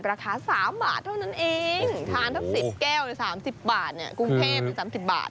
ราคาสามบาทเท่านั้นเองทานทั้งสิบแก้วสามสิบบาทเนี่ยกรุงแพพสิบบาท